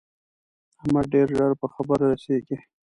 احمد ډېر ژر په خبره رسېږي.